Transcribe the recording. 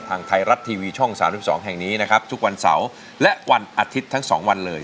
ทางไทยรัฐทีวีช่อง๓๒แห่งนี้นะครับทุกวันเสาร์และวันอาทิตย์ทั้ง๒วันเลย